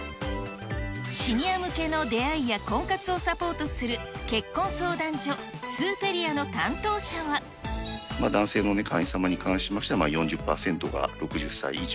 シニア向けの出会いや婚活をサポートする結婚相談所、スーペリア男性の会員様に関しましては、４０％が６０歳以上。